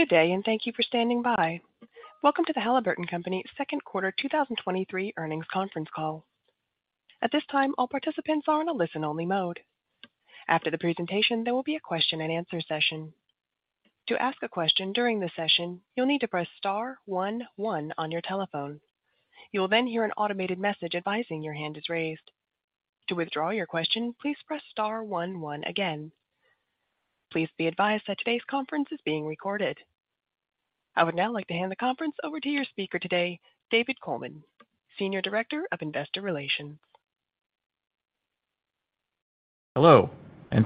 Good day. Thank you for standing by. Welcome to the Halliburton Company Second Quarter 2023 Earnings Conference Call. At this time, all participants are on a listen-only mode. After the presentation, there will be a question-and-answer session. To ask a question during the session, you'll need to press star, one, one on your telephone. You will hear an automated message advising your hand is raised. To withdraw your question, please press star, one, one again. Please be advised that today's conference is being recorded. I would now like to hand the conference over to your speaker today, David Coleman, Senior Director of Investor Relations. Hello,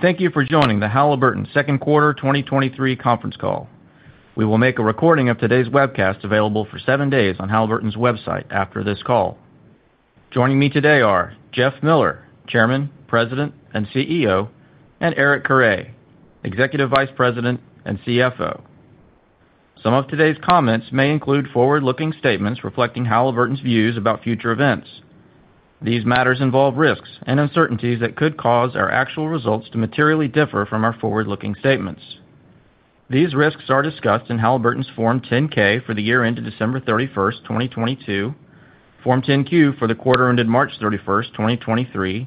thank you for joining the Halliburton Second Quarter 2023 Conference Call. We will make a recording of today's webcast available for seven days on Halliburton's website after this call. Joining me today are Jeff Miller, Chairman, President, and CEO, and Eric Carre, Executive Vice President and CFO. Some of today's comments may include forward-looking statements reflecting Halliburton's views about future events. These matters involve risks and uncertainties that could cause our actual results to materially differ from our forward-looking statements. These risks are discussed in Halliburton's Form 10-K for the year ended December 31, 2022, Form 10-Q for the quarter ended March 31, 2023,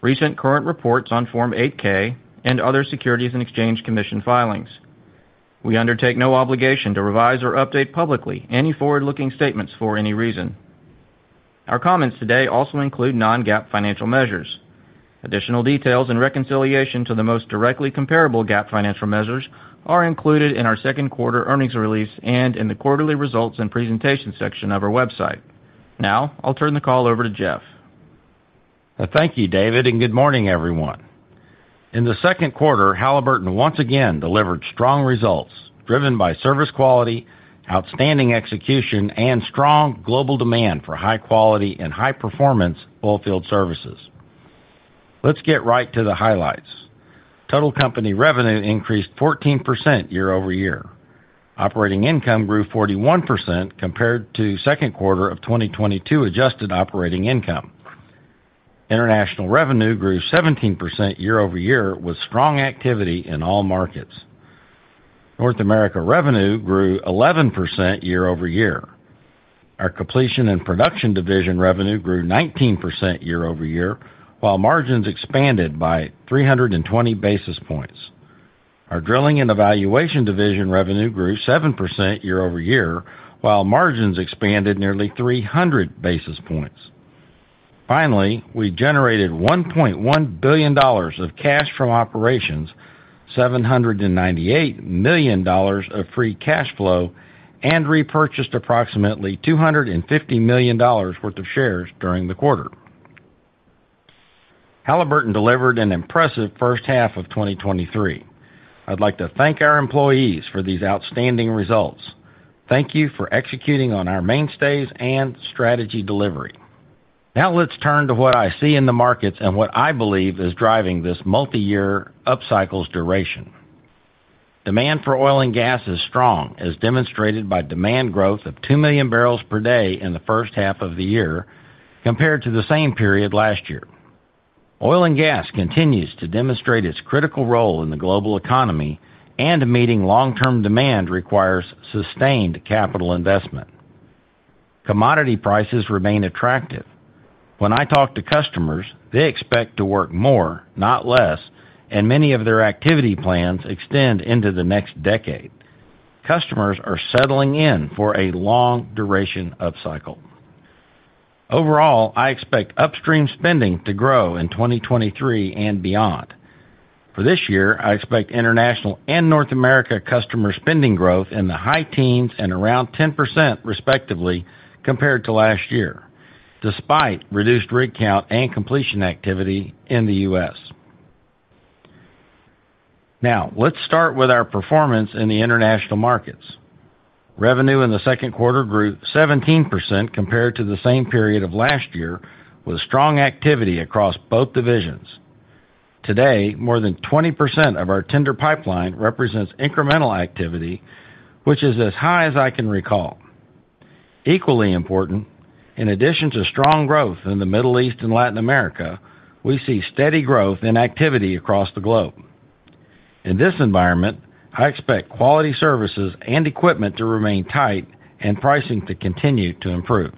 recent current reports on Form 8-K, and other Securities and Exchange Commission filings. We undertake no obligation to revise or update publicly any forward-looking statements for any reason. Our comments today also include non-GAAP financial measures. Additional details and reconciliation to the most directly comparable GAAP financial measures are included in our second quarter earnings release, and in the quarterly results and presentation section of our website. Now I'll turn the call over to Jeff. Thank you, David. Good morning, everyone. In the second quarter, Halliburton once again delivered strong results, driven by service quality, outstanding execution, and strong global demand for high-quality and high-performance oil field services. Let's get right to the highlights. Total company revenue increased 14% year-over-year. Operating income grew 41% compared to second quarter of 2022 adjusted operating income. International revenue grew 17% year-over-year, with strong activity in all markets. North America revenue grew 11% year-over-year. Our completion and production division revenue grew 19% year-over-year, while margins expanded by 320 basis points. Our drilling and evaluation division revenue grew 7% year-over-year, while margins expanded nearly 300 basis points. Finally, we generated $1.1 billion of cash from operations, $798 million of free cash flow, and repurchased approximately $250 million worth of shares during the quarter. Halliburton delivered an impressive first half of 2023. I'd like to thank our employees for these outstanding results. Thank you for executing on our mainstays and strategy delivery. Now let's turn to what I see in the markets and what I believe is driving this multiyear upcycle's duration. Demand for oil and gas is strong, as demonstrated by demand growth of 2 million barrels per day in the first half of the year compared to the same period last year. Oil and gas continues to demonstrate its critical role in the global economy, and meeting long-term demand requires sustained capital investment. Commodity prices remain attractive. When I talk to customers, they expect to work more, not less, and many of their activity plans extend into the next decade. Customers are settling in for a long duration upcycle. Overall, I expect upstream spending to grow in 2023 and beyond. For this year, I expect international and North America customer spending growth in the high teens and around 10%, respectively, compared to last year, despite reduced rig count and completion activity in the U.S. Now let's start with our performance in the international markets. Revenue in the 2Q grew 17% compared to the same period of last year, with strong activity across both divisions. Today, more than 20% of our tender pipeline represents incremental activity, which is as high as I can recall. Equally important, in addition to strong growth in the Middle East and Latin America, we see steady growth in activity across the globe. In this environment, I expect quality services and equipment to remain tight, and pricing to continue to improve.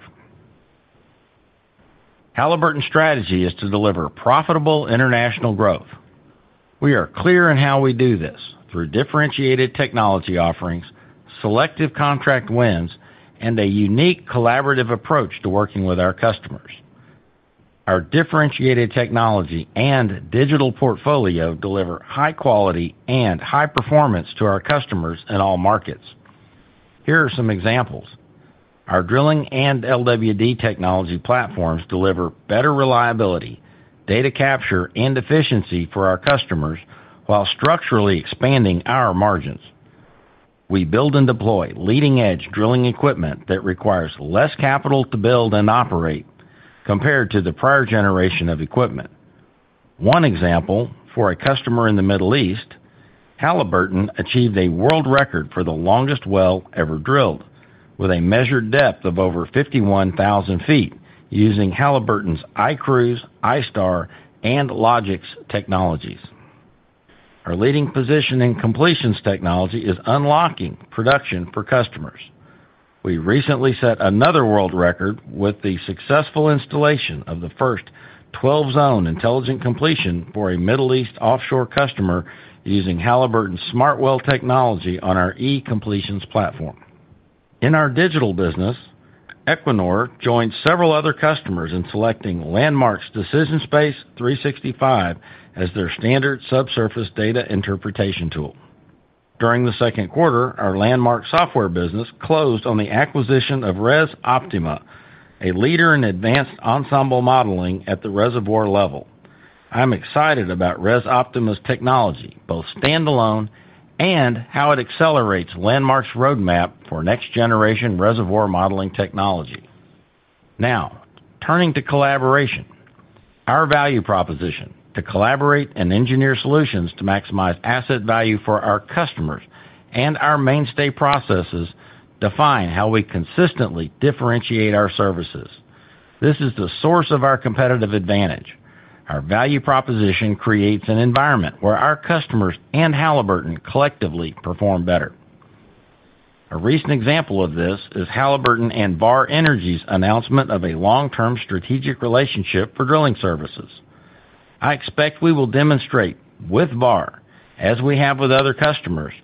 Halliburton's strategy is to deliver profitable international growth. We are clear in how we do this, through differentiated technology offerings, selective contract wins, and a unique collaborative approach to working with our customers. Our differentiated technology, and digital portfolio deliver high quality and high performance to our customers in all markets. Here are some examples. Our drilling and LWD technology platforms deliver better reliability, data capture, and efficiency for our customers, while structurally expanding our margins. We build and deploy leading-edge drilling equipment that requires less capital to build, and operate compared to the prior generation of equipment. One example, for a customer in the Middle East, Halliburton achieved a world record for the longest well ever drilled, with a measured depth of over 51,000 ft, using Halliburton's iCruise, iStar, and LOGIX technologies. Our leading position in completions technology is unlocking production for customers. We recently set another world record with the successful installation of the first 12-zone intelligent completion for a Middle East offshore customer, using Halliburton's SmartWell technology on our eCompletions platform. In our digital business, Equinor joined several other customers in selecting Landmark's DecisionSpace 365 as their standard subsurface data interpretation tool. During the second quarter, our Landmark software business closed on the acquisition of Resoptima, a leader in advanced ensemble modeling at the reservoir level. I'm excited about Resoptima's technology, both standalone and how it accelerates Landmark's roadmap for next-generation reservoir modeling technology. Now, turning to collaboration. Our value proposition, to collaborate and engineer solutions to maximize asset value for our customers and our mainstay processes, define how we consistently differentiate our services. This is the source of our competitive advantage. Our value proposition creates an environment where our customers, and Halliburton collectively perform better. A recent example of this is Halliburton and Vår Energi's announcement of a long-term strategic relationship for drilling services. I expect we will demonstrate with Vår, as we have with other customers,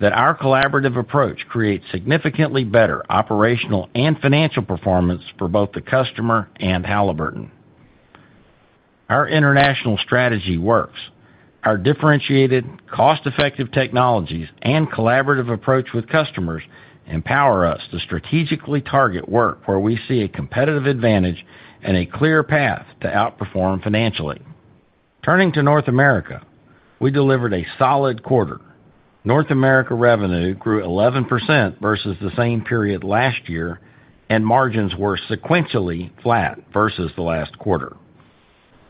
that our collaborative approach creates significantly better operational and financial performance for both the customer and Halliburton. Our international strategy works. Our differentiated, cost-effective technologies and collaborative approach with customers empower us to strategically target work where we see a competitive advantage, and a clear path to outperform financially. Turning to North America, we delivered a solid quarter. North America revenue grew 11% versus the same period last year, and margins were sequentially flat versus the last quarter.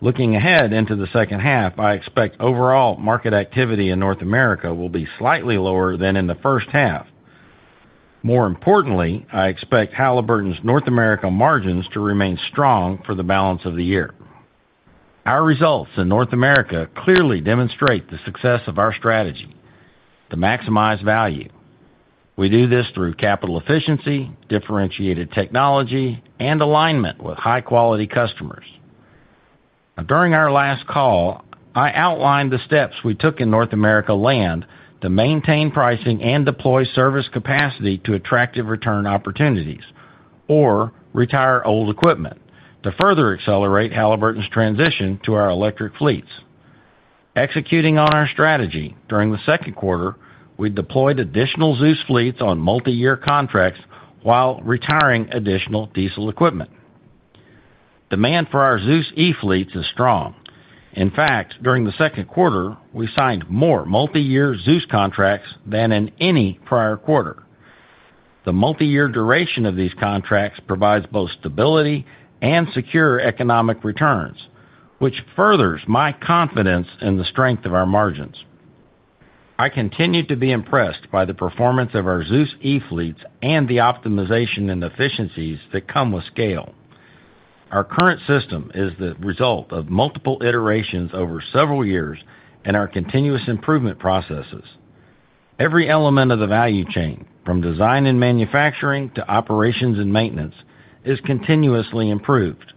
Looking ahead into the second half, I expect overall market activity in North America will be slightly lower than in the first half. More importantly, I expect Halliburton's North America margins to remain strong for the balance of the year. Our results in North America clearly demonstrate the success of our strategy to maximize value. We do this through capital efficiency, differentiated technology, and alignment with high-quality customers. During our last call, I outlined the steps we took in North America land to maintain pricing and deploy service capacity to attractive return opportunities, or retire old equipment, to further accelerate Halliburton's transition to our electric fleets. Executing on our strategy, during the second quarter, we deployed additional Zeus fleets on multiyear contracts while retiring additional diesel equipment. Demand for our Zeus eFleets is strong. In fact, during the second quarter, we signed more multiyear Zeus contracts than in any prior quarter. The multi-year duration of these contracts provides both stability and secure economic returns, which furthers my confidence in the strength of our margins. I continue to be impressed by the performance of our Zeus eFleets, and the optimization and efficiencies that come with scale. Our current system is the result of multiple iterations over several years and our continuous improvement processes. Every element of the value chain, from design and manufacturing, to operations and maintenance is continuously improved.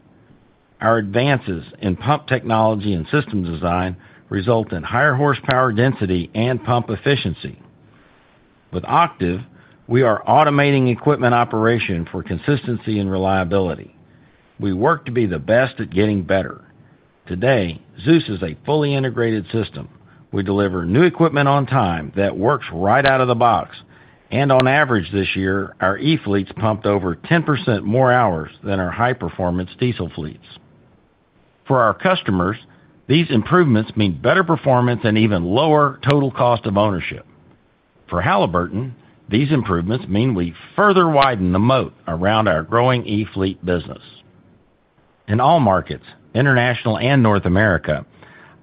Our advances in pump technology, and system design result in higher horsepower density and pump efficiency. With Octiv, we are automating equipment operation for consistency and reliability. We work to be the best at getting better. Today, Zeus is a fully integrated system. We deliver new equipment on time that works right out of the box, and on average, this year our eFleets pumped over 10% more hours than our high-performance diesel fleets. For our customers, these improvements mean better performance and even lower total cost of ownership. For Halliburton, these improvements mean we further widen the moat around our growing eFleet business. In all markets, international and North America,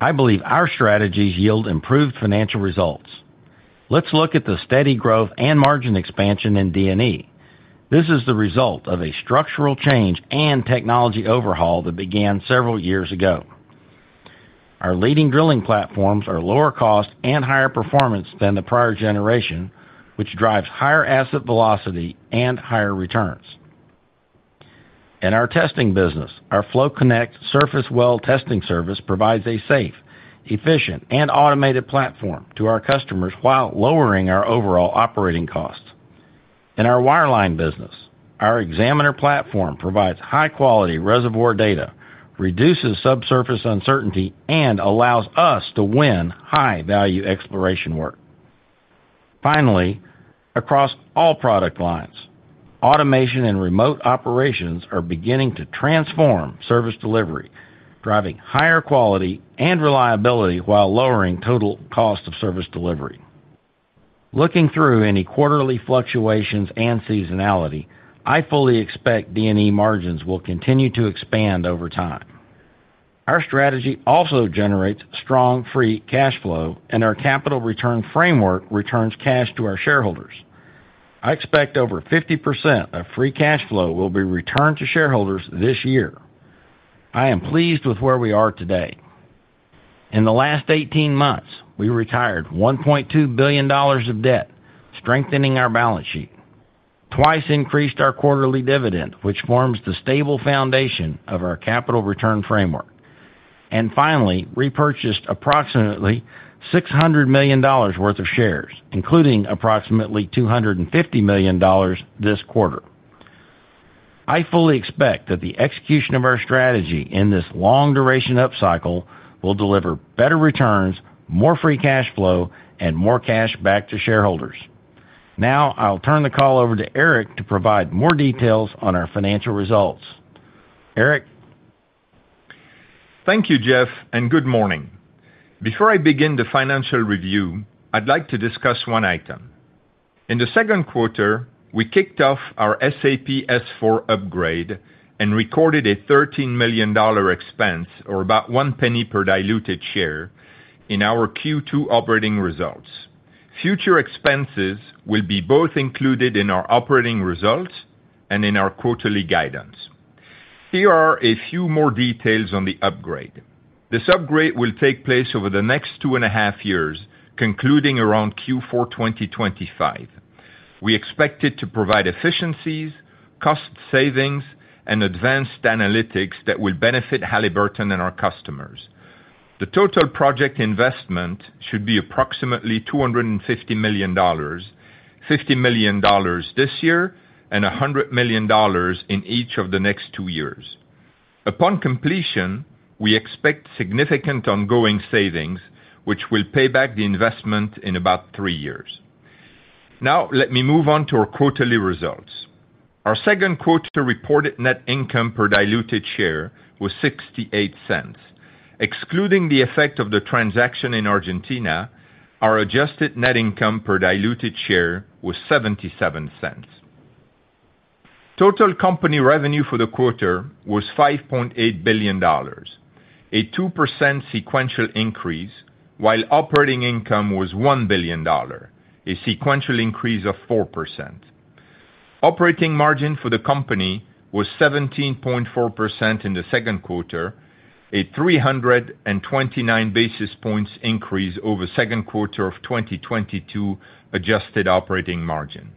I believe our strategies yield improved financial results. Let's look at the steady growth and margin expansion in D&E. This is the result of a structural change and technology overhaul that began several years ago. Our leading drilling platforms are lower cost and higher performance than the prior generation, which drives higher asset velocity and higher returns. In our testing business, our FloConnect surface well testing service provides a safe, efficient, and automated platform to our customers, while lowering our overall operating costs. In our wireline business, our Xaminer platform provides high-quality reservoir data, reduces subsurface uncertainty, and allows us to win high-value exploration work. Finally, across all product lines, automation and remote operations are beginning to transform service delivery, driving higher quality and reliability, while lowering total cost of service delivery. Looking through any quarterly fluctuations and seasonality, I fully expect drilling and evaluation margins will continue to expand over time. Our strategy also generates strong free cash flow, and our capital return framework returns cash to our shareholders. I expect over 50% of free cash flow will be returned to shareholders this year. I am pleased with where we are today. In the last 18 months, we retired $1.2 billion of debt, strengthening our balance sheet, twice increased our quarterly dividend, which forms the stable foundation of our capital return framework, and finally, repurchased approximately $600 million worth of shares, including approximately $250 million this quarter. I fully expect that the execution of our strategy in this long-duration upcycle will deliver better returns, more free cash flow, and more cash back to shareholders. Now I'll turn the call over to Eric to provide more details on our financial results. Eric? Thank you, Jeff. Good morning. Before I begin the financial review, I'd like to discuss one item. In the second quarter, we kicked off our SAP S/4 upgrade and recorded a $13 million expense, or about $0.01 per diluted share in our Q2 operating results. Future expenses will be both included in our operating results and in our quarterly guidance. Here are a few more details on the upgrade. This upgrade will take place over the next 2.5 years, concluding around Q4 2025. We expect it to provide efficiencies, cost savings, and advanced analytics that will benefit Halliburton and our customers. The total project investment should be approximately $250 million, $50 million this year and $100 million in each of the next two years. Upon completion, we expect significant ongoing savings, which will pay back the investment in about three years. Now let me move on to our quarterly results. Our second quarter reported net income per diluted share was $0.68. Excluding the effect of the transaction in Argentina, our adjusted net income per diluted share was $0.77. Total company revenue for the quarter was $5.8 billion, a 2% sequential increase, while operating income was $1 billion, a sequential increase of 4%. Operating margin for the company was 17.4% in the second quarter, a 329 basis points increase over second quarter of 2022 adjusted operating margin.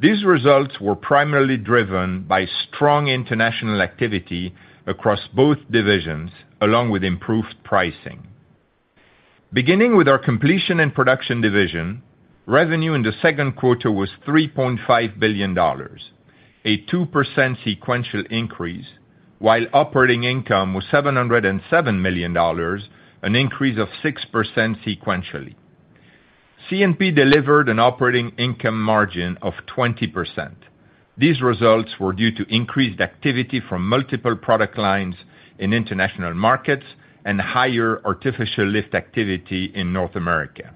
These results were primarily driven by strong international activity across both divisions, along with improved pricing. Beginning with our completion and production division, revenue in the second quarter was $3.5 billion, a 2% sequential increase, while operating income was $707 million, an increase of 6% sequentially. C&P delivered an operating income margin of 20%. These results were due to increased activity from multiple product lines in international markets, and higher artificial lift activity in North America.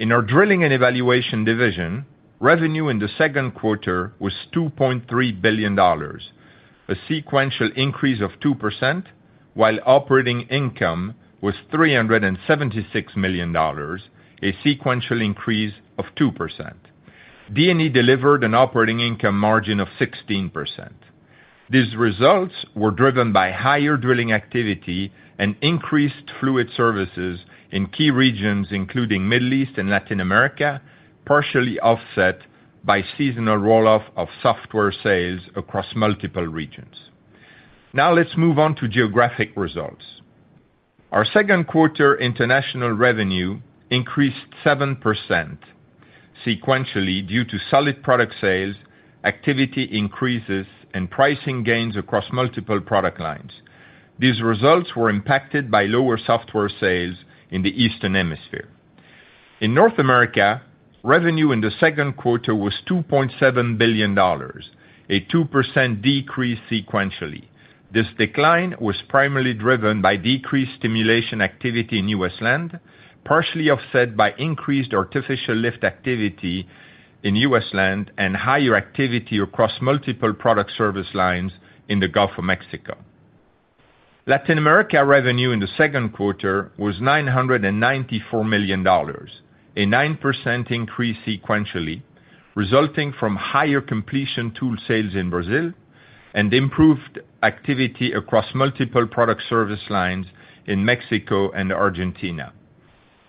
In our drilling and evaluation division, revenue in the second quarter was $2.3 billion, a sequential increase of 2%, while operating income was $376 million, a sequential increase of 2%. D&E delivered an operating income margin of 16%. These results were driven by higher drilling activity and increased fluid services in key regions, including Middle East and Latin America, partially offset by seasonal roll-off of software sales across multiple regions. Now let's move on to geographic results. Our second quarter international revenue increased 7% sequentially due to solid product sales, activity increases, and pricing gains across multiple product lines. These results were impacted by lower software sales in the Eastern Hemisphere. In North America, revenue in the second quarter was $2.7 billion, a 2% decrease sequentially. This decline was primarily driven by decreased stimulation activity in U.S. land, partially offset by increased artificial lift activity in U.S. land and higher activity across multiple product service lines in the Gulf of Mexico. Latin America revenue in the second quarter was $994 million, a 9% increase sequentially, resulting from higher completion tool sales in Brazil and improved activity across multiple product service lines in Mexico and Argentina.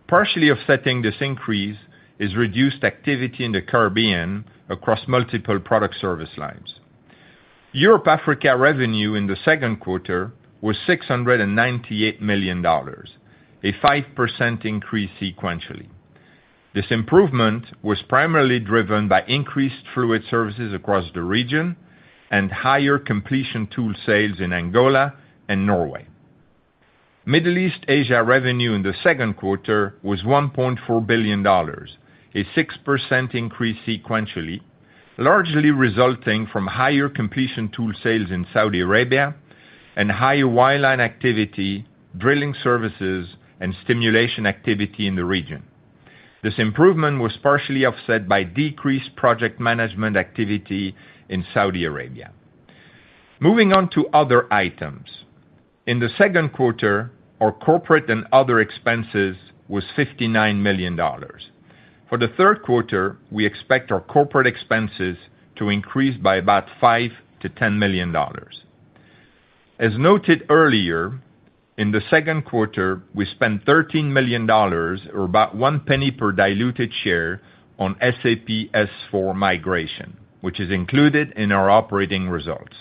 Partially offsetting this increase is reduced activity in the Caribbean across multiple product service lines. Europe-Africa revenue in the second quarter was $698 million, a 5% increase sequentially. This improvement was primarily driven by increased fluid services across the region, and higher completion tool sales in Angola and Norway. Middle East-Asia revenue in the second quarter was $1.4 billion, a 6% increase sequentially, largely resulting from higher completion tool sales in Saudi Arabia and higher wireline activity, drilling services, and stimulation activity in the region. This improvement was partially offset by decreased project management activity in Saudi Arabia. Moving on to other items. In the second quarter, our corporate and other expenses was $59 million. For the third quarter, we expect our corporate expenses to increase by about $5 million-$10 million. As noted earlier, in the second quarter, we spent $13 million or about $0.01 per diluted share, on SAP S/4 migration, which is included in our operating results.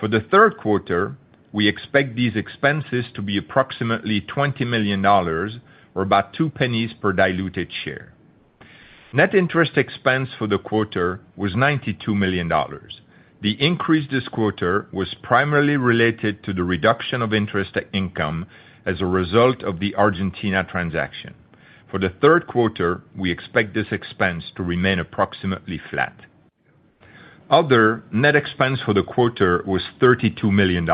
For the third quarter, we expect these expenses to be approximately $20 million, or about $0.02 per diluted share. Net interest expense for the quarter was $92 million. The increase this quarter was primarily related to the reduction of interest income as a result of the Argentina transaction. For the third quarter, we expect this expense to remain approximately flat. Other net expense for the quarter was $32 million.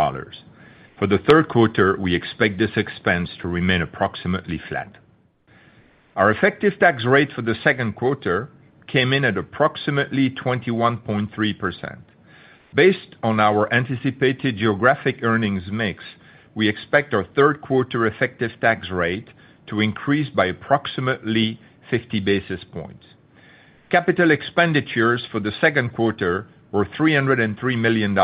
For the third quarter, we expect this expense to remain approximately flat. Our effective tax rate for the second quarter came in at approximately 21.3%. Based on our anticipated geographic earnings mix, we expect our third quarter effective tax rate to increase by approximately 50 basis points. Capital expenditures for the second quarter were $303 million.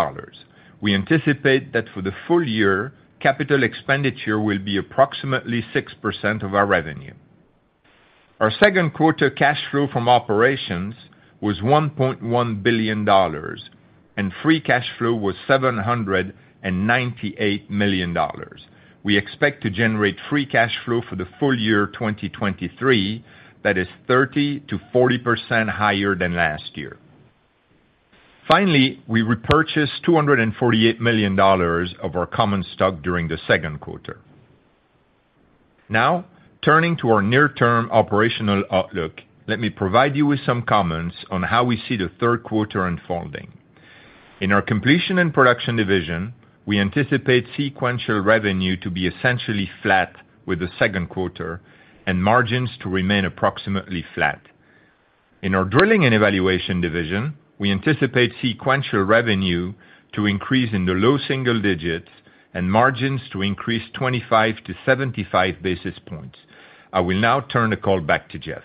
We anticipate that for the full year, capital expenditure will be approximately 6% of our revenue. Our second-quarter cash flow from operations was $1.1 billion, and free cash flow was $798 million. We expect to generate free cash flow for the full year 2023, that is 30%-40% higher than last year. Finally, we repurchased $248 million of our common stock during the second quarter. Turning to our near-term operational outlook, let me provide you with some comments on how we see the third quarter unfolding. In our completion and production division, we anticipate sequential revenue to be essentially flat with the second quarter, and margins to remain approximately flat. In our drilling and evaluation division, we anticipate sequential revenue to increase in the low single digits and margins to increase 25-75 basis points. I will now turn the call back to Jeff.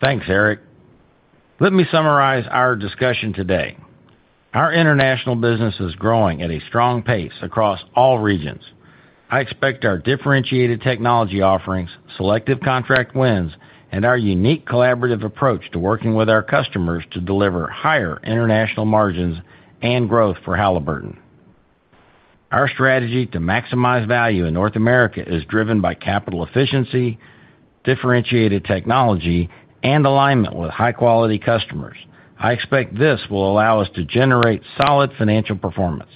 Thanks, Eric. Let me summarize our discussion today. Our international business is growing at a strong pace across all regions. I expect our differentiated technology offerings, selective contract wins, and our unique collaborative approach to working with our customers to deliver higher international margins and growth for Halliburton. Our strategy to maximize value in North America is driven by capital efficiency, differentiated technology, and alignment with high-quality customers. I expect this will allow us to generate solid financial performance.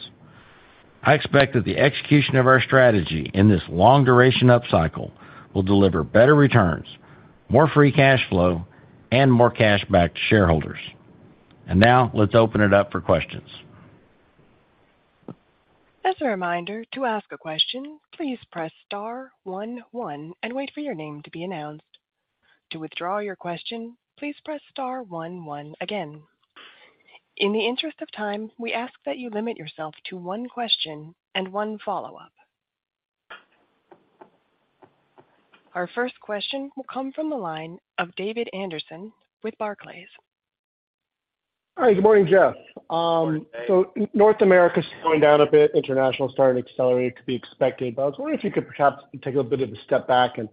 I expect that the execution of our strategy in this long-duration upcycle will deliver better returns, more free cash flow, and more cash back to shareholders. Now, let's open it up for questions. As a reminder, to ask a question, please press star, one, one and wait for your name to be announced. To withdraw your question, please press star, one, one again. In the interest of time, we ask that you limit yourself to one question and one follow-up. Our first question will come from the line of David Anderson with Barclays. All right. Good morning, Jeff. Good morning, Dave. North America is slowing down a bit. International is starting to accelerate, to be expected. I was wondering if you could perhaps take a bit of a step back, and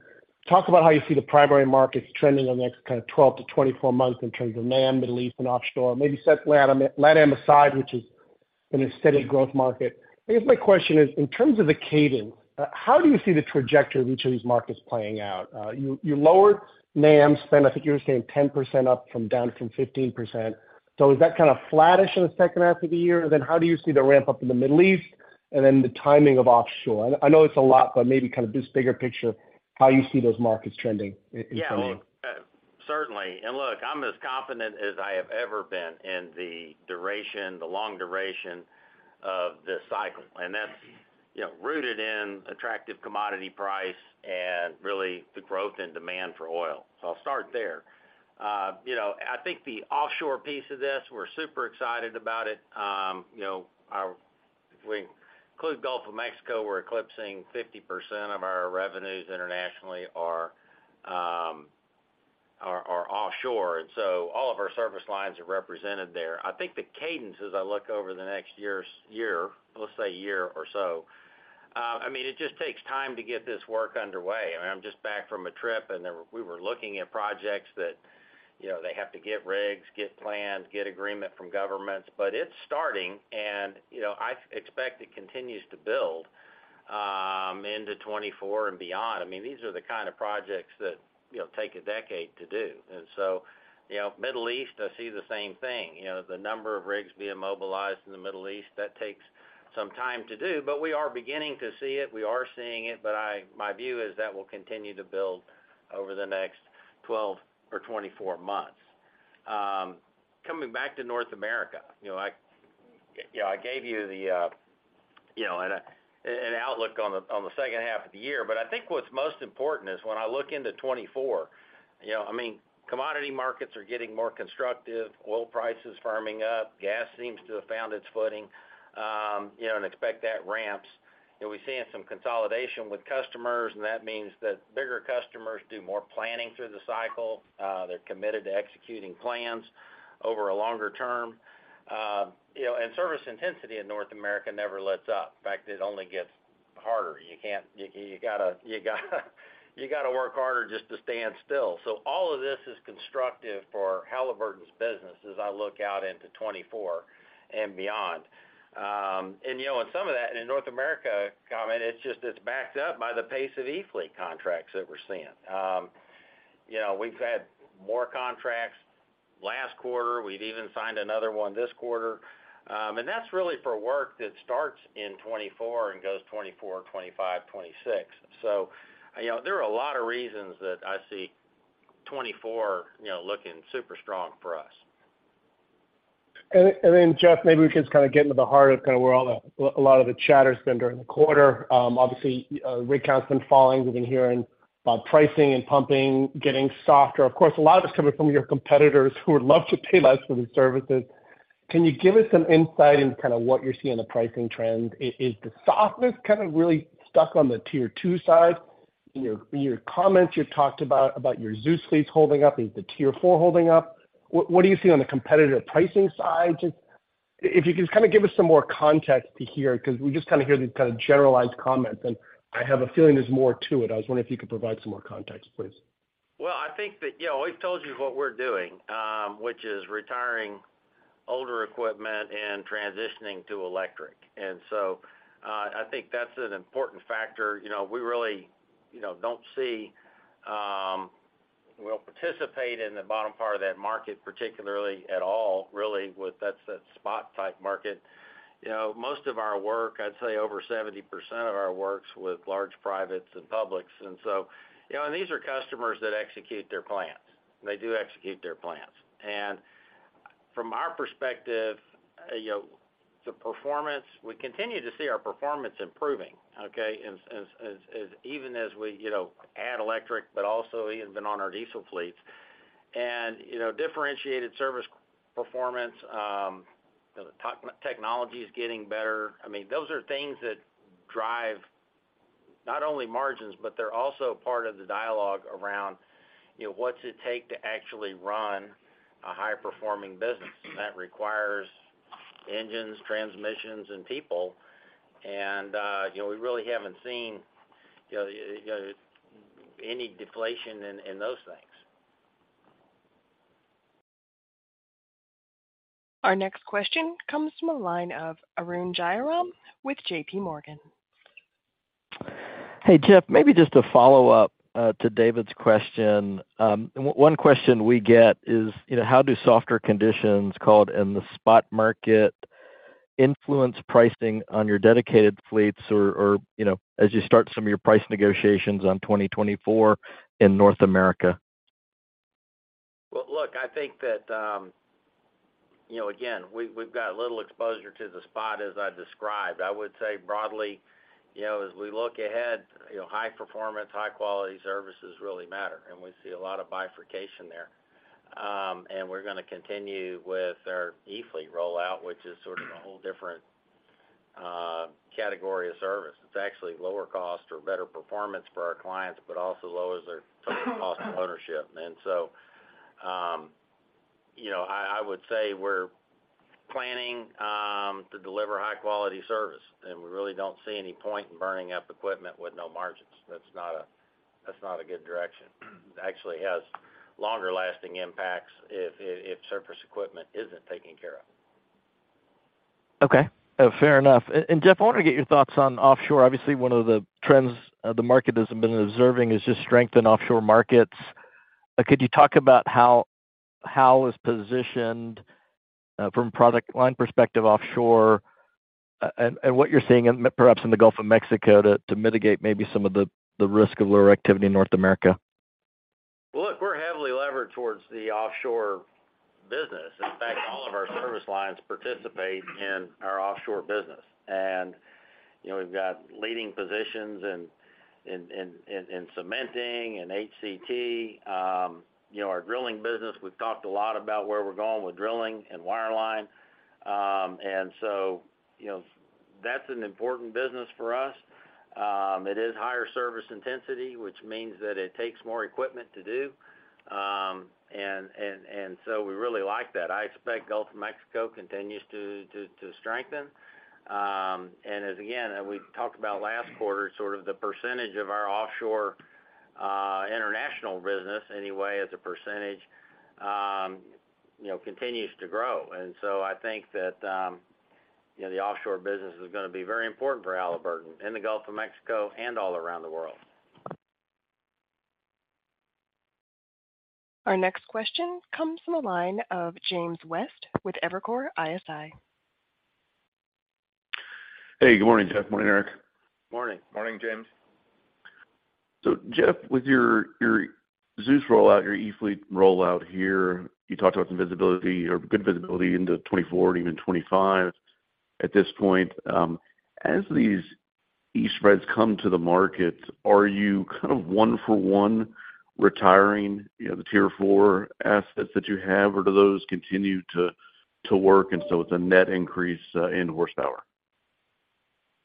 talk about how you see the primary markets trending on the next kind of 12-24 months in terms of NAM, Middle East, and Offshore. Maybe set LATAM aside, which is in a steady growth market. I guess my question is, in terms of the cadence, how do you see the trajectory of each of these markets playing out? You lowered NAM spend. I think you were saying 10% up from down from 15%. Is that kind of flattish in the second half of the year? How do you see the ramp up in the Middle East and then the timing of offshore? I know it's a lot, but maybe kind of just bigger picture, how you see those markets trending in the coming year. Well, certainly. Look, I'm as confident as I have ever been in the long duration of this cycle, and that's, you know, rooted in attractive commodity price and really the growth and demand for oil. I'll start there. You know, I think the offshore piece of this, we're super excited about it. You know, if we include Gulf of Mexico, we're eclipsing 50% of our revenues internationally are offshore, so all of our service lines are represented there. I think the cadence, as I look over the next year, let's say a year or so, I mean, it just takes time to get this work underway. I mean, I'm just back from a trip. Then we were looking at projects that, you know, they have to get rigs, get plans, get agreement from governments, but it's starting and, you know, I expect it continues to build into 2024 and beyond. I mean, these are the kind of projects that, you know, take a decade to do. You know, Middle East, I see the same thing. You know, the number of rigs being mobilized in the Middle East, that takes some time to do, we are beginning to see it. We are seeing it, my view is that will continue to build over the next 12 or 24 months. Coming back to North America, you know, I gave you, you know, an outlook on the second half of the year. I think what's most important is, when I look into 2024, you know, I mean, commodity markets are getting more constructive, oil prices firming up, gas seems to have found its footing, you know, and expect that ramps. We're seeing some consolidation with customers, and that means that bigger customers do more planning through the cycle. They're committed to executing plans over a longer term. You know, and service intensity in North America never lets up. In fact, it only gets harder. You got to work harder just to stand still. All of this is constructive for Halliburton's business as I look out into 2024 and beyond. You know, and some of that in North America, comment, it's just, it's backed up by the pace of e-fleet contracts that we're seeing. You know, we've had more contracts last quarter. We've even signed another one this quarter. That's really for work that starts in 2024 and goes, 2024, 2025, 2026. You know, there are a lot of reasons that I see 2024, you know, looking super strong for us. Then, Jeff, maybe we can just kind of get into the heart of kind of where a lot of the chatter's been during the quarter. Obviously, rig count's been falling. We've been hearing about pricing and pumping getting softer. Of course, a lot of it's coming from your competitors who would love to pay less for the services. Can you give us some insight into kind of what you're seeing in the pricing trend? Is the softness kind of really stuck on the tier two side? In your comments, you talked about your Zeus fleets holding up. Is the tier four holding up? What do you see on the competitive pricing side? Just if you could kind of give us some more context to hear, because we just kind of hear these kind of generalized comments, and I have a feeling there's more to it. I was wondering if you could provide some more context, please. Well, I think that, you know, we've told you what we're doing, which is retiring older equipment and transitioning to electric. I think that's an important factor. You know, we'll participate in the bottom part of that market, particularly at all really, with the spot type market. You know, most of our work, I'd say over 70% of our work's with large privates and publics. You know, and these are customers that execute their plans. They do execute their plans. From our perspective, you know, we continue to see our performance improving, even as we, you know, add electric, but also even be on our diesel fleets. You know, differentiated service performance, you know, technology is getting better. I mean, those are things that drive not only margins, but they're also part of the dialogue around, you know, what's it take to actually run a high-performing business? That requires engines, transmissions, and people. You know, we really haven't seen, you know, any deflation in those things. Our next question comes from the line of Arun Jayaram with JPMorgan. Hey, Jeff, maybe just a follow-up to David's question. One question we get is, you know, how do softer conditions called in the spot market influence pricing on your dedicated fleets or you know, as you start some of your price negotiations on 2024 in North America? Look, I think that, you know, again, we've got little exposure to the spot as I described. I would say broadly, you know, as we look ahead, you know, high performance, high quality services really matter, and we see a lot of bifurcation there. We're going to continue with our e-fleet rollout, which is sort of a whole different category of service. It's actually lower cost or better performance for our clients, but also lowers their total cost of ownership. You know, I would say we're planning to deliver high-quality service, and we really don't see any point in burning up equipment with no margins. That's not a good direction. Actually, it has longer-lasting impacts if surface equipment isn't taken care of. Okay, fair enough. Jeff, I want to get your thoughts on offshore. Obviously, one of the trends the market has been observing is just strength in offshore markets. Could you talk about how it's positioned from a product line perspective, offshore, and what you're seeing in perhaps in the Gulf of Mexico, to mitigate maybe some of the risk of lower activity in North America? Look, we're heavily levered towards the offshore business. In fact, all of our service lines participate in our offshore business. You know, we've got leading positions in cementing, in HCT. You know, our drilling business, we've talked a lot about where we're going with drilling and wireline. You know, that's an important business for us. It is higher service intensity, which means that it takes more equipment to do. We really like that. I expect Gulf of Mexico continues to strengthen. As, again we talked about last quarter, sort of the percentage of our offshore international business anyway, as a percentage, you know, continues to grow. I think that, you know, the offshore business is going to be very important for Halliburton in the Gulf of Mexico and all around the world. Our next question comes from the line of James West with Evercore ISI. Hey. Good morning, Jeff. Morning, Eric. Morning. Morning, James. Jeff, with your Zeus rollout, your e-fleet rollout here, you talked about some visibility or good visibility into 2024 and even 2025 at this point. As these e-fleets come to the market, are you kind of one for one retiring, you know, the tier 4 assets that you have, or do those continue to work and so it's a net increase in horsepower?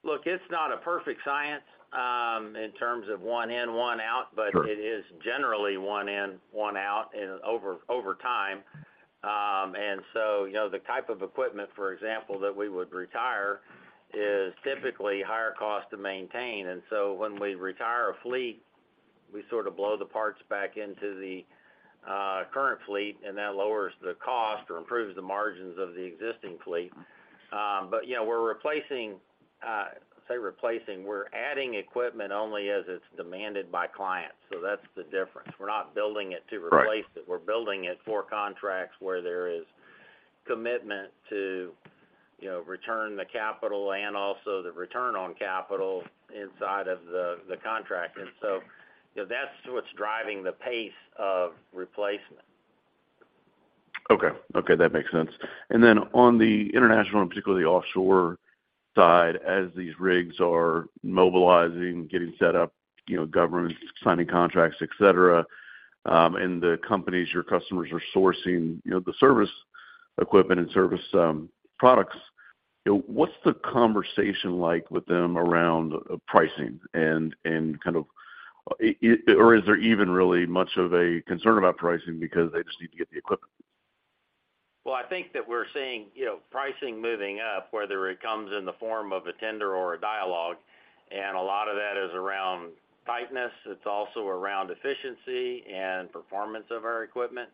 Look, it's not a perfect science, in terms of one in, one out. Sure. It is generally one in, one out over time. You know, the type of equipment, for example, that we would retire is typically higher cost to maintain. When we retire a fleet, we sort of blow the parts back into the current fleet, and that lowers the cost or improves the margins of the existing fleet. We're adding equipment only as it's demanded by clients. That's the difference. We're not building it to replace it. Right. We're building it for contracts where there is commitment to, you know, return the capital and also the return on capital inside of the contract. You know, that's what's driving the pace of replacement. Okay, that makes sense. On the international, and particularly the offshore side, as these rigs are mobilizing, getting set up, you know, governments signing contracts, etc, and the companies, your customers are sourcing, you know, the service equipment and service products, you know, what's the conversation like with them around pricing, or is there even really much of a concern about pricing because they just need to get the equipment? I think that we're seeing, you know, pricing moving up, whether it comes in the form of a tender or a dialogue, and a lot of that is around tightness. It's also around efficiency and performance of our equipment.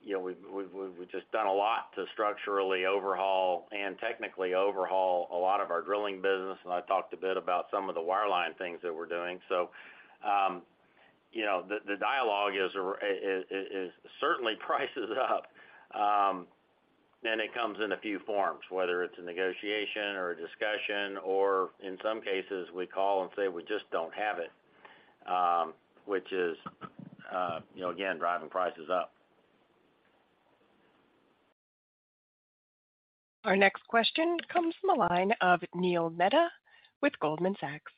You know, we've just done a lot to structurally overhaul and technically overhaul a lot of our drilling business, and I talked a bit about some of the wireline things that we're doing. You know, the dialogue is certainly prices up, and it comes in a few forms, whether it's a negotiation or a discussion, or in some cases, we call and say we just don't have it, which is, you know, again driving prices up. Our next question comes from the line of Neil Mehta with Goldman Sachs.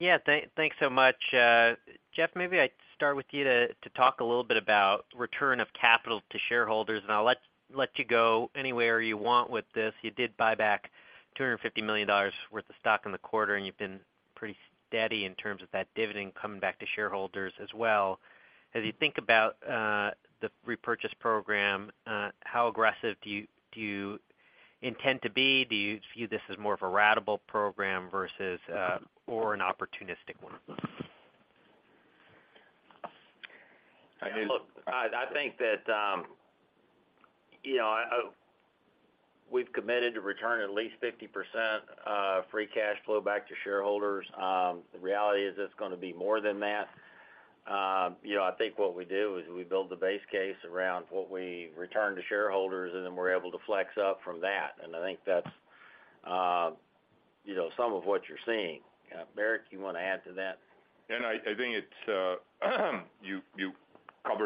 Yeah, thanks so much. Jeff, maybe I'd start with you to talk a little bit about return of capital to shareholders. I'll let you go anywhere you want with this. You did buy back $250 million worth of stock in the quarter. You've been pretty steady in terms of that dividend coming back to shareholders as well. As you think about the repurchase program, how aggressive do you intend to be? Do you view this as more of a ratable program or an opportunistic one? Look, I think that, you know, we've committed to return at least 50% free cash flow back to shareholders. The reality is, it's going to be more than that. You know, I think what we do is we build the base case around what we return to shareholders, and then we're able to flex up from that. I think that's, you know, some of what you're seeing. Eric, you want to add to that? I think you covered it well.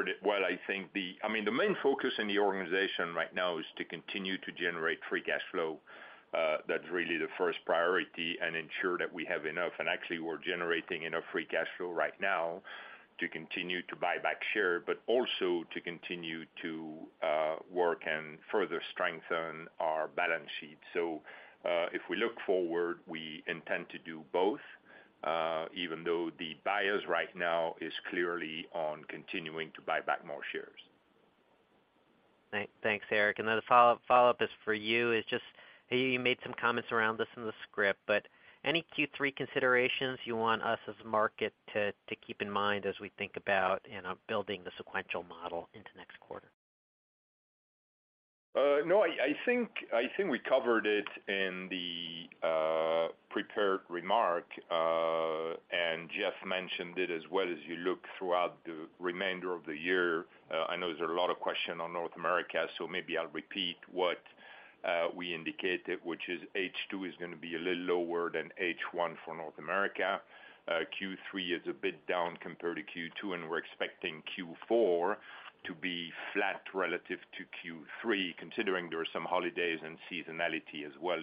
I mean, the main focus in the organization right now is to continue to generate free cash flow. That's really the first priority, and ensure that we have enough. Actually, we're generating enough free cash flow right now to continue to buy back share, but also to continue to work and further strengthen our balance sheet. If we look forward, we intend to do both, even though the bias right now is clearly on continuing to buy back more shares. Thanks, Eric. Then the follow-up is for you. It's just, you made some comments around this in the script. Any Q3 considerations you want us as a market to keep in mind as we think about, you know, building the sequential model into next quarter? No, I think we covered it in the prepared remark, and Jeff mentioned it as well, as you look throughout the remainder of the year. I know there's a lot of question on North America, so maybe I'll repeat what we indicated, which is H2 is going to be a little lower than H1 for North America. Q3 is a bit down compared to Q2, and we're expecting Q4 to be flat relative to Q3, considering there are some holidays and seasonality as well.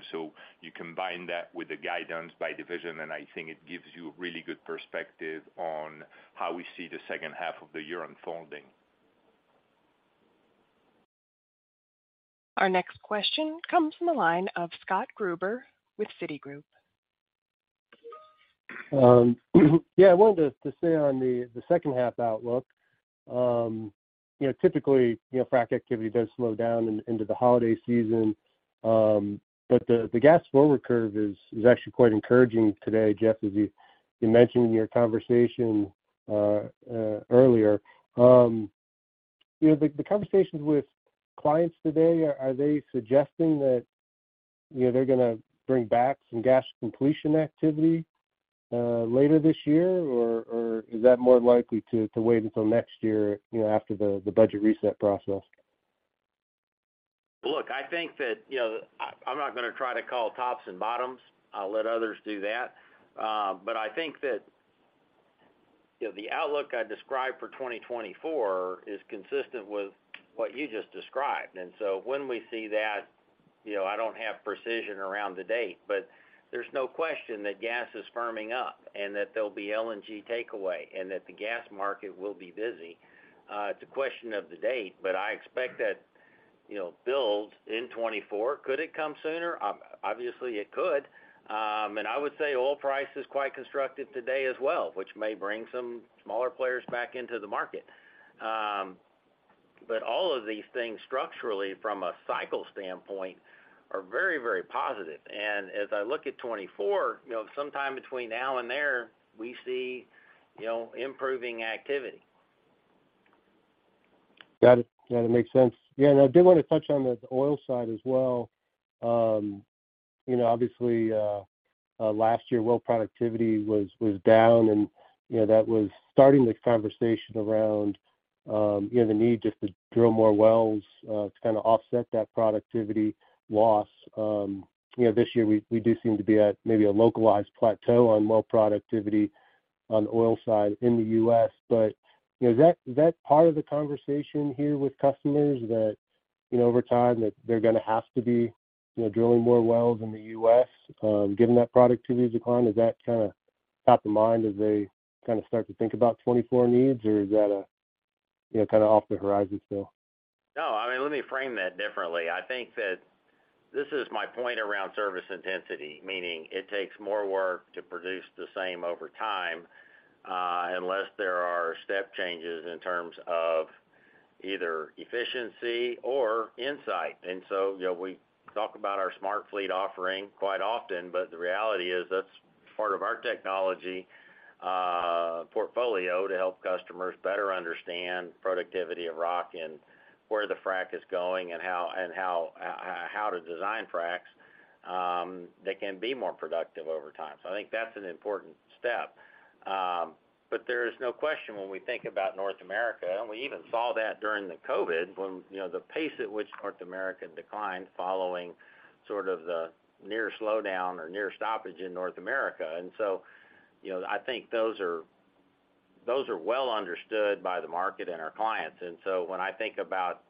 You combine that with the guidance by division, and I think it gives you a really good perspective on how we see the second half of the year unfolding. Our next question comes from the line of Scott Gruber with Citigroup. Yeah, I wanted to stay on the second half outlook. You know, typically, you know, frack activity does slow down into the holiday season, but the gas forward curve is actually quite encouraging today, Jeff, as you mentioned in your conversation earlier. You know, the conversations with clients today, are they suggesting that, you know, they're going to bring back some gas completion activity later this year? Or is that more likely to wait until next year, you know, after the budget reset process? Look, I think that, you know, I'm not going to try to call tops and bottoms. I'll let others do that. I think that, you know, the outlook I described for 2024 is consistent with what you just described. When we see that, you know, I don't have precision around the date, but there's no question that gas is firming up and that there'll be LNG takeaway, and that the gas market will be busy. It's a question of the date, but I expect that, you know, build in 2024. Could it come sooner? Obviously, it could. I would say oil price is quite constructive today as well, which may bring some smaller players back into the market. All of these things, structurally, from a cycle standpoint are very, very positive. As I look at 2024, you know, sometime between now and there, we see, you know, improving activity. Got it, that makes sense. I did want to touch on the oil side as well. You know, obviously last year, well productivity was down and you know, that was starting the conversation around, you know, the need just to drill more wells to kind of offset that productivity loss. You know, this year, we do seem to be at maybe a localized plateau on well productivity on the oil side in the U.S. Is that part of the conversation here with customers that, you know, over time, that they're going to have to be, you know, drilling more wells in the U.S., given that productivity decline? Is that kind of top of mind as they kind of start to think about 2024 needs, or is that a, you know, kind of off the horizon still? No, I mean, let me frame that differently. I think that this is my point around service intensity, meaning it takes more work to produce the same over time, unless there are step changes in terms of either efficiency or insight. You know, we talk about our SmartFleet offering quite often, but the reality is, that's part of our technology portfolio to help customers better understand productivity of rock and where the frack is going, and how to design fracks that can be more productive over time. I think that's an important step. There is no question when we think about North America, and we even saw that during the COVID, when, you know, the pace at which North America declined following sort of the near slowdown or near stoppage in North America. You know, I think those are well understood by the market and our clients. When I think about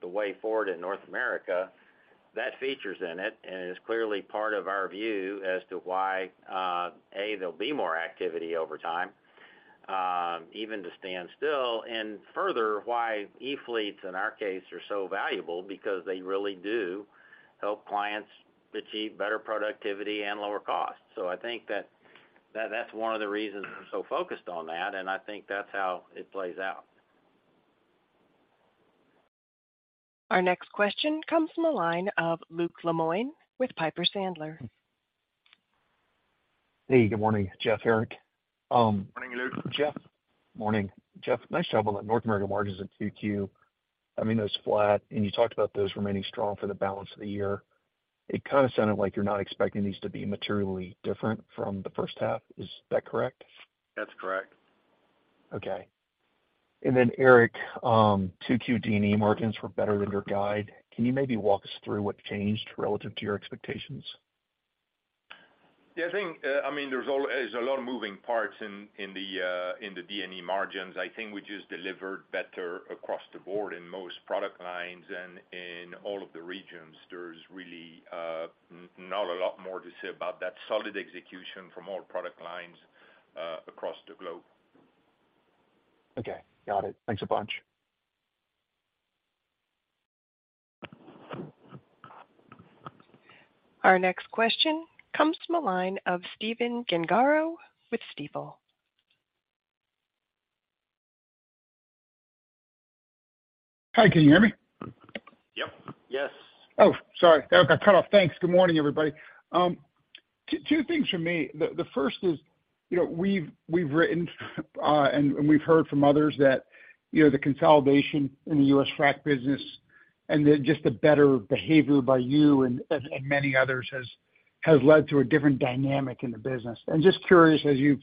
the way forward in North America, that feature's in it, and it's clearly part of our view as to why there'll be more activity over time, even to stand still. Further, why e-fleets, in our case are so valuable, because they really do help clients achieve better productivity and lower costs. I think that that's one of the reasons I'm so focused on that, and I think that's how it plays out. Our next question comes from the line of Luke Lemoine with Piper Sandler. Hey, good morning, Jeff, Eric. Morning, Luke. Morning. Jeff, nice job on the North America margins at 2Q. I mean, it was flat, and you talked about those remaining strong for the balance of the year. It kind of sounded like you're not expecting these to be materially different from the first half. Is that correct? That's correct. Okay. Eric, 2Q D&E margins were better than your guide. Can you maybe walk us through what changed relative to your expectations? Yeah. I mean, there's a lot of moving parts in the D&E margins. I think we just delivered better across the board in most product lines and in all of the regions. There's really not a lot more to say about that, solid execution from all product lines across the globe. Okay, got it. Thanks a bunch. Our next question comes from the line of Stephen Gengaro with Stifel. Hi, can you hear me? Yep. Yes. Oh, sorry, that got cut off. Thanks. Good morning, everybody. Two things from me. The first is, you know, we've written and we've heard from others that, you know, the consolidation in the U.S. frack business and the just the better behavior by you and many others has led to a different dynamic in the business. Just curious, as you've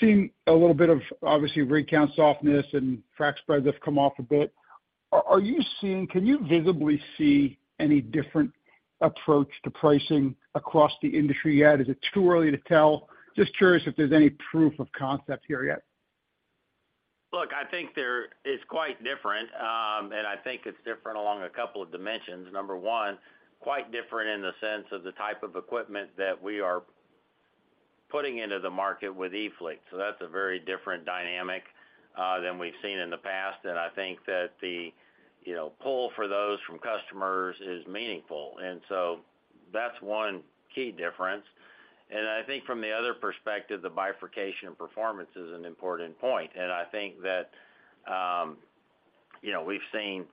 seen a little bit of obviously rig count softness and frack spreads have come off a bit, can you visibly see any different approach to pricing across the industry yet? Is it too early to tell? Just curious if there's any proof of concept here yet. Look, I think it's quite different, and I think it's different along a couple of dimensions. Number one, quite different in the sense of the type of equipment that we are putting into the market with e-fleet. That's a very different dynamic than we've seen in the past, and I think that the, you know, pull for those from customers is meaningful. That's one key difference. I think from the other perspective, the bifurcation of performance is an important point. I think that, you know, we've seen,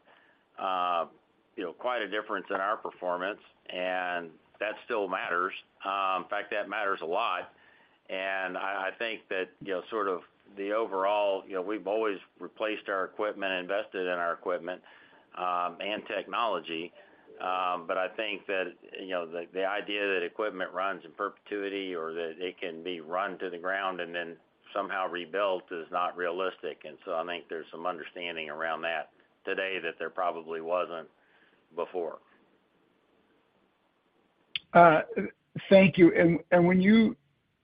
you know, quite a difference in our performance, and that still matters. In fact, that matters a lot. I think that, you know, sort of the overall, you know, we've always replaced our equipment and invested in our equipment, and technology. I think that, you know, the idea that equipment runs in perpetuity or that it can be run to the ground and then somehow rebuilt, is not realistic. I think there's some understanding around that today, that there probably wasn't before. Thank you.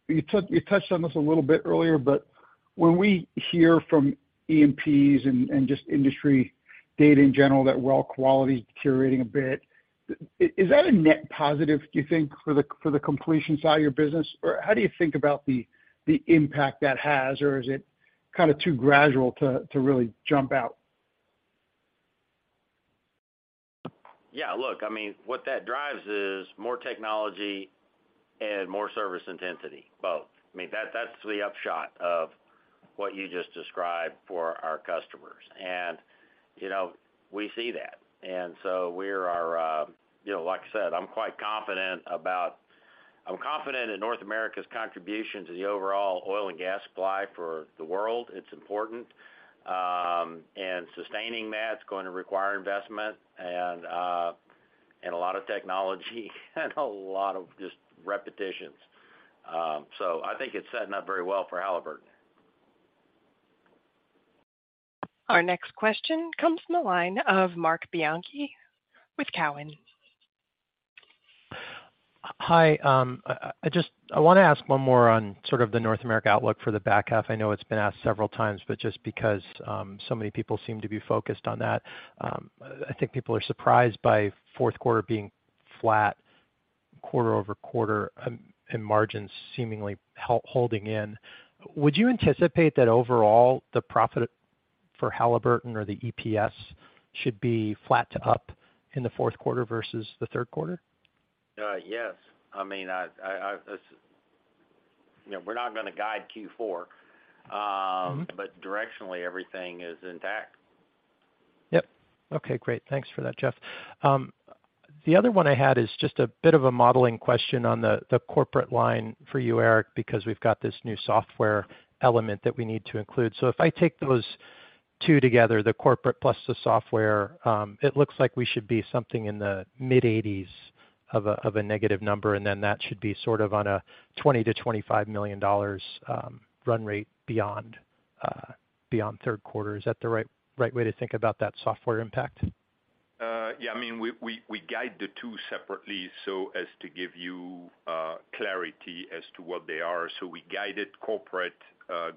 You touched on this a little bit earlier, but when we hear from E&Ps and just industry data in general, that well quality curating a bit, is that a net positive, do you think for the completion side of your business? Or how do you think about the impact that has, or is it kind of too gradual to really jump out? Yeah. Look, I mean, what that drives is more technology and more service intensity, both. I mean, that's the upshot of what you just described for our customers. You know, we see that. You know, like I said, I'm quite confident in North America's contribution to the overall oil and gas supply for the world. It's important. Sustaining that is going to require investment and a lot of technology, and a lot of just repetitions. I think it's setting up very well for Halliburton. Our next question comes from the line of Marc Bianchi with Cowen. Hi, I want to ask one more on sort of the North America outlook for the back half. I know it's been asked several times, but just because so many people seem to be focused on that. I think people are surprised by fourth quarter being flat quarter-over-quarter, and margins seemingly holding in. Would you anticipate that overall, the profit for Halliburton or the EPS, should be flat to up in the fourth quarter versus the third quarter? Yes. I mean, you know, we're not going to guide Q4. Directionally, everything is intact. Yep. Okay, great. Thanks for that, Jeff. The other one I had is just a bit of a modeling question on the corporate line for you, Eric, because we've got this new software element that we need to include. If I take those two together, the corporate plus the software. It looks like we should be something in the mid-80s of a negative number, and then that should be sort of on a $20 million-$25 million run rate beyond third quarter. Is that the right way to think about that software impact? Yeah, I mean, we guide the two separately, so as to give you clarity as to what they are. We guided corporate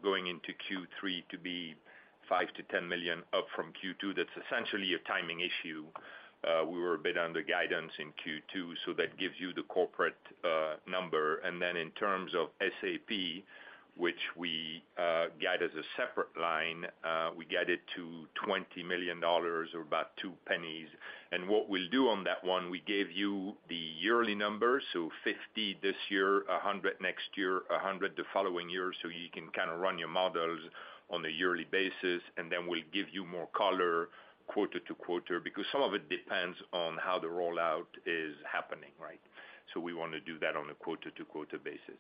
going into Q3 to be $5 million-$10 million up from Q2. That's essentially a timing issue. We were a bit under guidance in Q2, so that gives you the corporate number. Then in terms of SAP, which we guide as a separate line, we guide it to $20 million or about $0.02. What we'll do on that one, we gave you the yearly number, so $50 million this year, $100 million next year, $100 million the following year, so you can kind of run your models on a yearly basis and then we'll give you more color quarter-to-quarter, because some of it depends on how the rollout is happening, right? We want to do that on a quarter-to-quarter basis.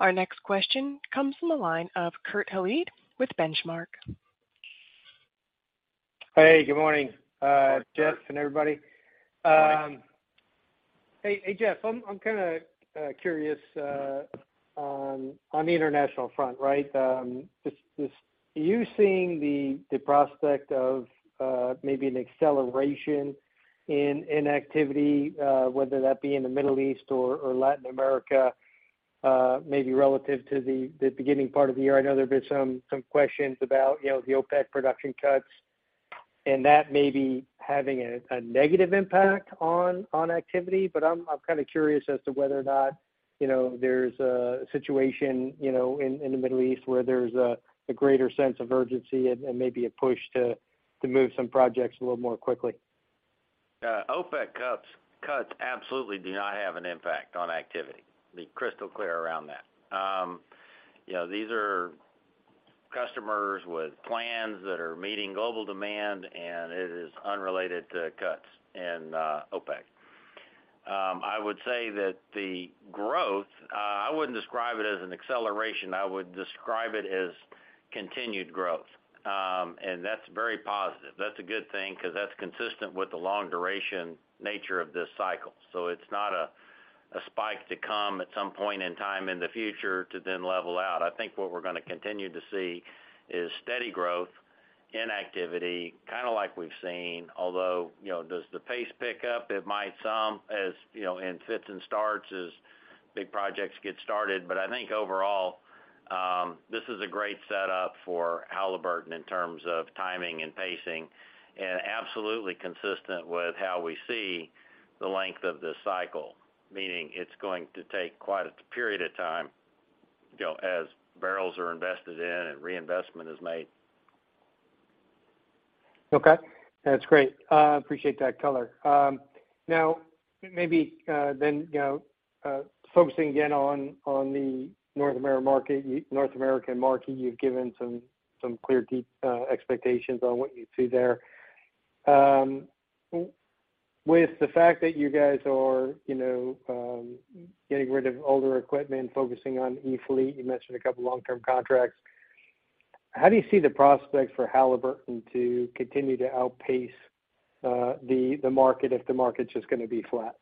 Our next question comes from the line of Kurt Hallead with Benchmark. Hey. Good morning, Jeff and everybody. Hey, Jeff, I'm kind of curious on the international front, right? Just, are you seeing the prospect of maybe an acceleration in activity, whether that be in the Middle East or Latin America, maybe relative to the beginning part of the year? I know there have been some questions about, you know, the OPEC production cuts, and that may be having a negative impact on activity. I'm kind of curious as to whether or not, you know, there's a situation, you know, in the Middle East, where there's a greater sense of urgency and maybe a push to move some projects a little more quickly. OPEC cuts absolutely do not have an impact on activity. Be crystal clear around that. You know, these are customers with plans that are meeting global demand, and it is unrelated to cuts in OPEC. I would say that the growth, I wouldn't describe it as an acceleration, I would describe it as continued growth. That's very positive. That's a good thing, because that's consistent with the long-duration nature of this cycle. It's not a spike to come at some point in time in the future to then level out. I think what we're going to continue to see is steady growth in activity, kind of like we've seen, although, you know, does the pace pick up? It might, some, you know, in fits and starts as big projects get started. I think overall, this is a great setup for Halliburton in terms of timing and pacing, and absolutely consistent with how we see the length of this cycle. Meaning, it's going to take quite a period of time, you know, as barrels are invested in and reinvestment is made. Okay, that's great. Appreciate that color. Now, maybe, you know, focusing again on the North American market, you've given some clear deep expectations on what you see there. With the fact that you guys are, you know, getting rid of older equipment, focusing on e-fleet, you mentioned a couple long-term contracts, how do you see the prospects for Halliburton to continue to outpace the market if the market's just going to be flat?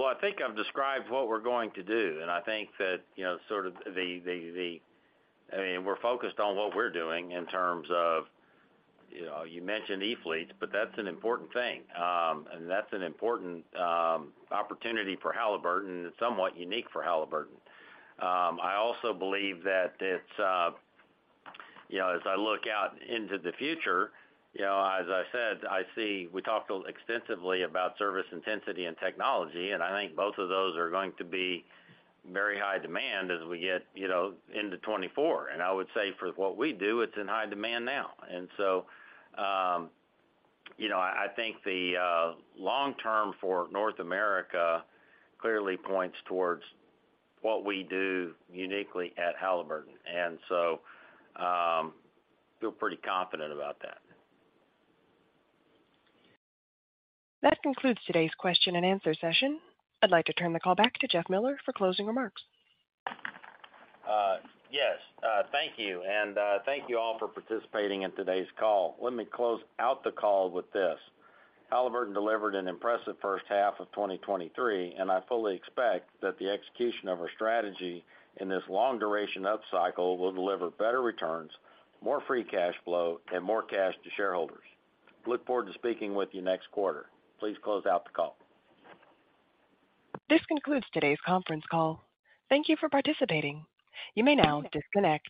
Well, I think I've described what we're going to do, and I think that, you know, sort of I mean, we're focused on what we're doing in terms of, you know, you mentioned e-fleets, but that's an important thing. That's an important opportunity for Halliburton and somewhat unique for Halliburton. I also believe that, you know, as I look out into the future, you know, as I said, I see we talked extensively about service intensity and technology. I think both of those are going to be very high demand as we get, you know, into 2024. I would say for what we do, it's in high demand now. You know, I think the long term for North America clearly points towards what we do uniquely at Halliburton, and so feel pretty confident about that. That concludes today's question-and-answer session. I'd like to turn the call back to Jeff Miller for closing remarks. Yes, thank you. Thank you all for participating in today's call. Let me close out the call with this, Halliburton delivered an impressive first half of 2023. I fully expect that the execution of our strategy in this long duration upcycle will deliver better returns, more free cash flow, and more cash to shareholders. Look forward to speaking with you next quarter. Please close out the call. This concludes today's conference call. Thank you for participating. You may now disconnect.